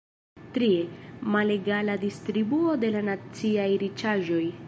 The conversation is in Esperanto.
Trie: malegala distribuo de naciaj riĉaĵoj.